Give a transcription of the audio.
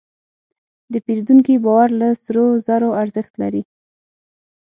د پیرودونکي باور له سرو زرو ارزښت لري.